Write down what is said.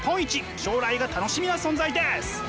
将来が楽しみな存在です！